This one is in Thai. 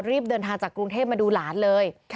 รีบเดินทางจากกรุงเทพมาดูหลานเลย